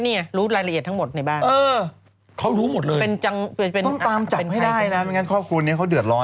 ไม่งั้นความความความสนใจเนี่ยเขาเดือดลอน